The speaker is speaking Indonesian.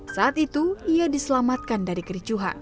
saat itu ia diselamatkan dari kericuhan